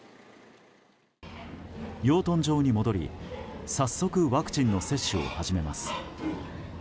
養豚場に戻り、早速ワクチンの接種を始めます。